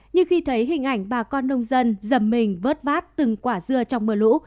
nhưng khi thấy hình ảnh bà con nông dân dầm mình vớt vát từng quả dưa trong mưa lũ